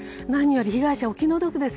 被害者はお気の毒です。